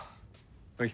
はい。